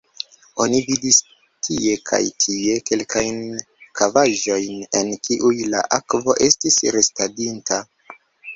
Oni vidis tie kaj tie kelkajn kavaĵojn, en kiuj la akvo estis restadinta.